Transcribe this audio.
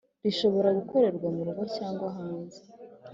Rishobora gukorerwa mu rugo cyangwa hanze